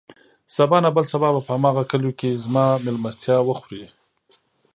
سبا نه، بل سبا به په هماغه کليو کې زما مېلمستيا وخورې.